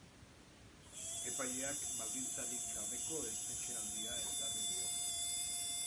Epaileak baldintzarik gabeko espetxealdia ezarri dio.